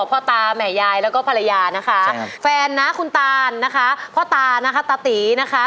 พ่อตาแม่ยายแล้วก็ภรรยานะคะแฟนนะคุณตานนะคะพ่อตานะคะตาตีนะคะ